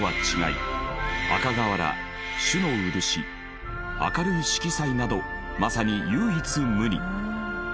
赤瓦朱の漆明るい色彩などまさに唯一無二。